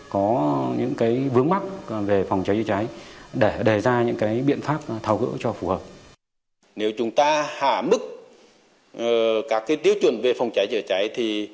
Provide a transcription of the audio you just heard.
có những vướng mắt về phòng cháy chữa cháy